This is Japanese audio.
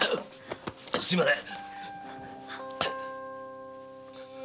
すいません。